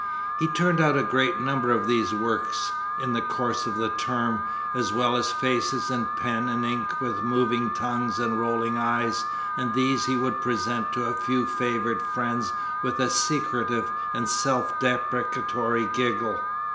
He turned out a great number of these works in the course of the term, as well as faces in pen and ink with moving tongues and rolling eyes, and these he would present to a few favoured friends with a secretive and self depreciatory giggle.